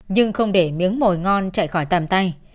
nhưng không để miếng mồi ngon chạy khỏi tầm tay